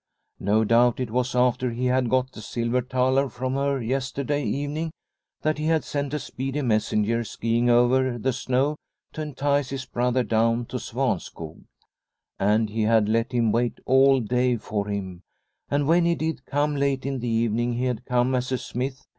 No doubt it was after he had got the silver thaler from her yesterday evening that he had sent a speedy messenger ski ing over the snow to entice his brother down to Svanskog. And he had let 172 Liliecrona's Home him wait all day for him, and when he did come late in the evening he had come as a smith.